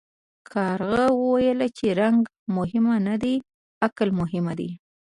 کارغه وویل چې رنګ مهم نه دی عقل مهم دی.